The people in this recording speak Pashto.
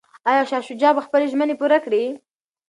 ایا شاه شجاع به خپلي ژمني پوره کړي؟